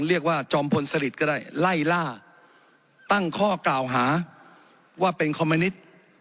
จอมพลสลิดก็ได้ไล่ล่าตั้งข้อกล่าวหาว่าเป็นคอมมินิต